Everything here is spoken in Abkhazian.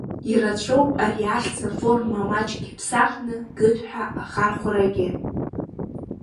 Ирацәоуп ари ахьӡ аформа маҷк иԥсахны Гыд ҳәа ахархәарагьы.